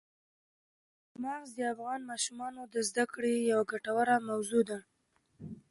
چار مغز د افغان ماشومانو د زده کړې یوه ګټوره موضوع ده.